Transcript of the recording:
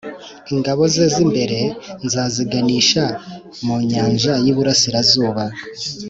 Ingabo ze z’imbere nzaziganisha mu nyanja y’iburasirazuba,